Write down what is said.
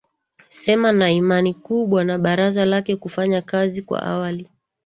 sema na imani kubwa na baraza lake kufanya kazi kwa awali